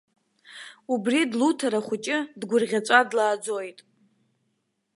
Убри длуҭар ахәыҷы, дгәырӷьаҵәа длааӡоит.